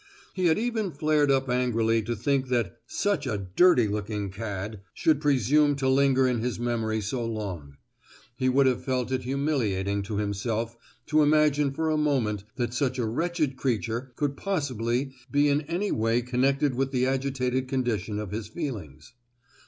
He had even flared up angrily to think that "such a dirty looking cad" should presume to linger in his memory so long; he would have felt it humiliating to himself to imagine for a moment that such a wretched creature could possibly be in any way connected with the agitated condition of his feelings.